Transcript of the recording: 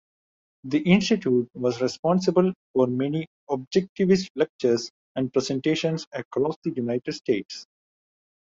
The institute was responsible for many Objectivist lectures and presentations across the United States.